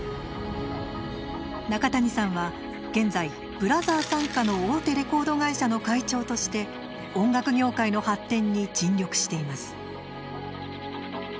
中谷さんは現在ブラザー傘下の大手レコード会社の会長として音楽業界の発展に尽力しています。